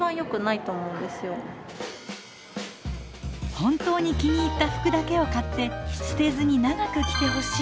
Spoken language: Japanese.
本当に気に入った服だけを買って捨てずに長く着てほしい。